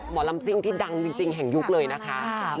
หมอลำซิ่งที่ดังจริงแห่งยุคเลยนะคะ